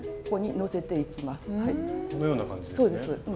このような感じですね。